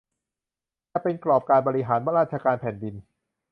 จะเป็นกรอบการบริหารราชการแผ่นดิน